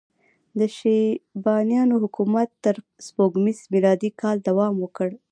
د شیبانیانو حکومت تر سپوږمیز میلادي کاله دوام وکړ.